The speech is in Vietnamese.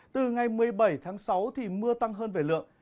từ ngày một mươi bảy tháng sáu thì mưa tăng hơn về lượng